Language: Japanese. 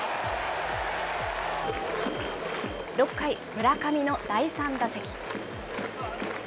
６回、村上の第３打席。